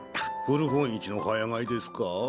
古本市の早買いですか？